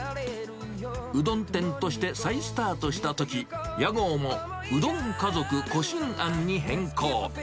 うどん店として再スタートしたとき、屋号もうどん家族小進庵に変更。